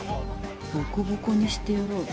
「ボコボコにしてやろうぜ」。